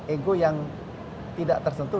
ego yang tidak tersentuh